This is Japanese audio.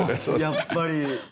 やっぱり。